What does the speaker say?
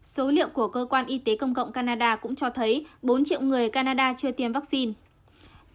số liệu của cơ quan y tế công cộng canada cũng cho thấy bốn triệu người canada chưa tiêm vaccine